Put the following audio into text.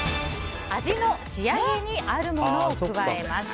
味の仕上げにあるものを加えます。